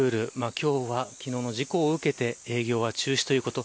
今日は昨日の事故を受けて営業は中止ということ。